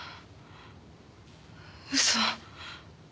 嘘。